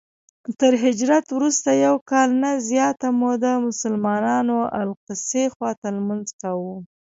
تر هجرت وروسته یو کال نه زیاته موده مسلمانانو الاقصی خواته لمونځ کاوه.